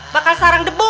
bakal sarang debu